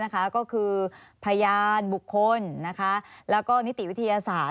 ก็คือพยานบุคคลแล้วก็นิติวิทยาศาสต